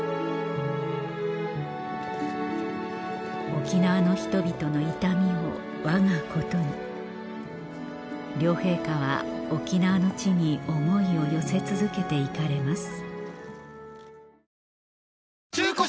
沖縄の人々の痛みをわがことに両陛下は沖縄の地に思いを寄せ続けて行かれます